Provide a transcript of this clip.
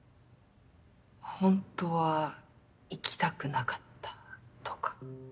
ホントは行きたくなかったとか？